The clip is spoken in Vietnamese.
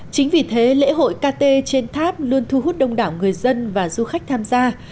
chính vì thế lễ hội kt trên tháp luôn thu hút đông đảo người dân và du khách tham gia